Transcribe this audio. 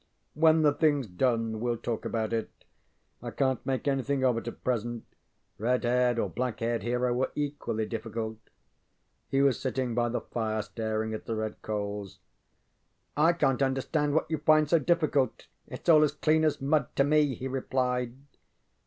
ŌĆ£When the thingŌĆÖs done weŌĆÖll talk about it. I canŌĆÖt make anything of it at present. Red haired or black haired hero are equally difficult. ŌĆØ He was sitting by the fire staring at the red coals. ŌĆ£_I_ canŌĆÖt understand what you find so difficult. ItŌĆÖs all as clean as mud to me, ŌĆØ he replied.